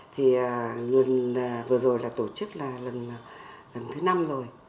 thì lần vừa rồi là tổ chức là lần thứ năm rồi